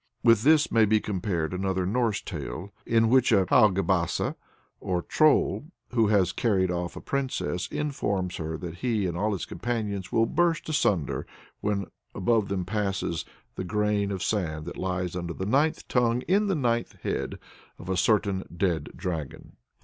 With this may be compared another Norse tale, in which a Haugebasse, or Troll, who has carried off a princess, informs her that he and all his companions will burst asunder when above them passes "the grain of sand that lies under the ninth tongue in the ninth head" of a certain dead dragon.